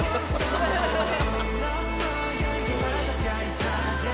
ハハハハ。